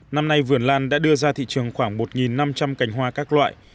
năm nay vườn lan đã đưa ra thị trường khoảng một năm trăm linh cành hoa các loại